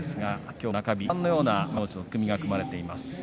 きょうの中日、ご覧のような幕内の取組が組まれています。